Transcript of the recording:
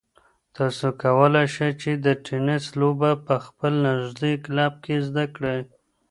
تاسو کولای شئ چې د تېنس لوبه په خپل نږدې کلب کې زده کړئ.